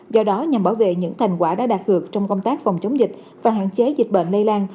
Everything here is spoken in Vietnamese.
do đó nhằm bảo vệ những thành quả đã đạt được trong công tác phòng chống dịch và hạn chế dịch bệnh lây lan